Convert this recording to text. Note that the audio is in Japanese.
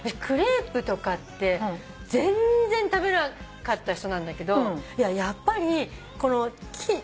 クレープとかって全然食べなかった人なんだけどやっぱりこの。